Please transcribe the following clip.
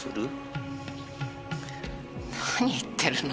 何言ってるの？